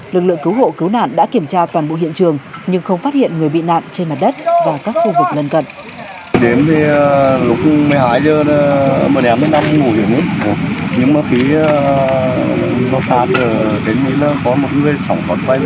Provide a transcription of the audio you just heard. lực lượng cứu hộ cứu nạn đã kiểm tra toàn bộ hiện trường nhưng không phát hiện người bị nạn trên mặt đất và các khu vực lân cận